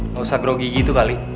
gak usah grogi gitu kali